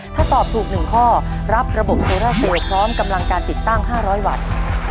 ถ้าตอบถูก๑ข้อรับระบบโซราเซลพร้อมกำลังการติดตั้ง๕๐๐วัตต์